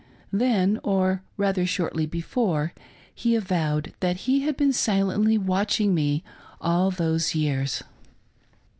Then — or rather shortly before — he avowed that he had been silently watching me all those yean^.